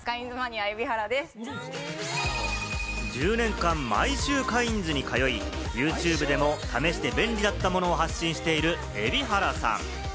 １０年間毎週カインズに通い、ＹｏｕＴｕｂｅでも試して便利だったものを発信している海老原さん。